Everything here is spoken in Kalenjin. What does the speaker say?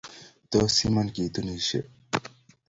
Tos iman kituunishe